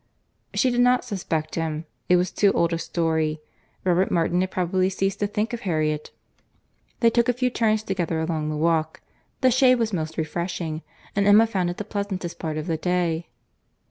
—She did not suspect him. It was too old a story.—Robert Martin had probably ceased to think of Harriet.—They took a few turns together along the walk.—The shade was most refreshing, and Emma found it the pleasantest part of the day.